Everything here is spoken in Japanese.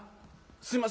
すいません